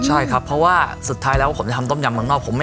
ใช่ครับเพราะว่าสุดท้ายแล้วผมจะทำต้มยำเมืองนอก